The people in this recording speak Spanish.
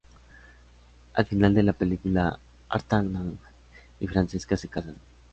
Al final de la película, D'Artagnan y Francesca se casan.